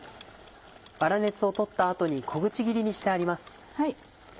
粗熱を取った後に小口切りにしてあります。